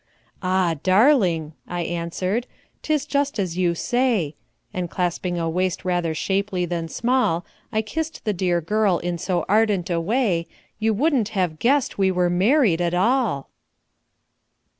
"Ah! darling," I answered, "'tis just as you say;" And clasping a waist rather shapely than small, I kissed the dear girl in so ardent a way You wouldn't have guessed we were married at all!